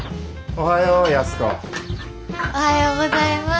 おはようございます。